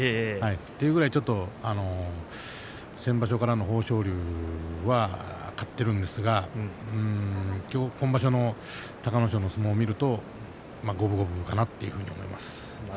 それくらい先場所からの豊昇龍は勝っているんですが今場所の隆の勝の相撲を見ると五分五分かなと思います。